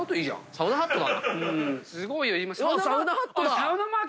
サウナハットだ！